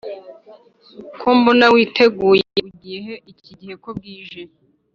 Kombona witegura ugiyehe ikigihe ko bwije